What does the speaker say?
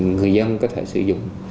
người dân có thể sử dụng